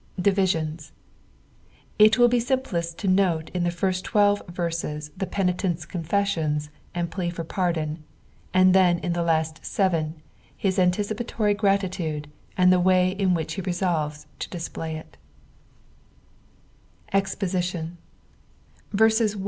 DiTiBiOKs.— .fi leilt be simplest lo note inthe first tmelve verses the penitent's confessions and pita for pardon, and Oten in the last seven his anticipatory gratitude, and the aay in uJiidi he res<ives to display it, ExposmoN.